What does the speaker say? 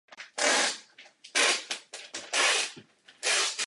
Publikoval také v oboru ústavního práva.